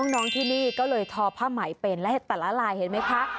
น้องที่นี่ก็เลยทอผ้าไหมเป็นและแต่ละลายเห็นไหมคะ